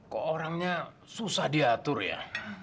kok orangnya susah diatur ya